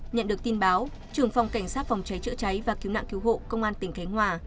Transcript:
nhận được tin báo trưởng phòng cảnh sát phòng cháy chữa cháy và cứu nạn cứu hộ công an tỉnh khánh hòa